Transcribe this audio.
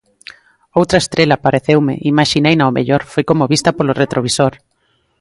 Outra estrela, pareceume, imaxineina ao mellor, foi como vista polo retrovisor.